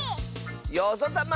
よぞたま！